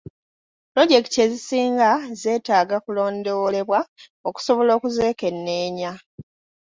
Pulojekiti ezisinga zetaaga okulondoolebwa okusobola okuzekenneenya.